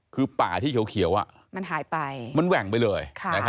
คือป่าที่เขียวมันแหว่งไปเลย